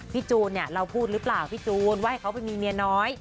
จูนเนี่ยเราพูดหรือเปล่าพี่จูนว่าให้เขาไปมีเมียน้อย